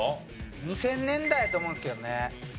２０００年代やと思うんですけどね。